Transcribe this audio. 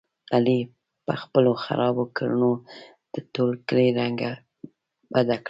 علي په خپلو خرابو کړنو د ټول کلي رنګه بده کړله.